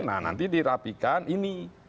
nah nanti dirapikan ini